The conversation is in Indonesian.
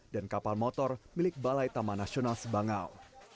dan kapal motor milik balai taman nasional sebangau